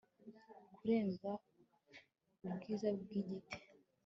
kurenza ubwiza bw'igiti